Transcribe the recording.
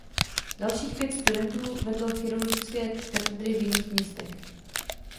Dalších pět studentů vedlo chirurgické katedry v jiných městech.